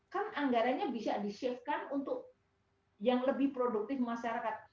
kan anggaranya bisa dishiftkan untuk yang lebih produktif masyarakat